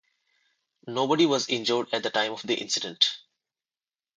Nobody was injured at the time of the incident.